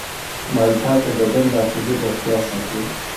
مالټه د بدن داخلي روغتیا ساتي.